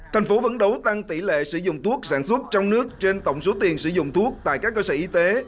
thành phố vẫn đấu tăng tỷ lệ sử dụng thuốc sản xuất trong nước trên tổng số tiền sử dụng thuốc tại các cơ sở y tế